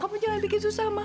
kamu jangan bikin susah mama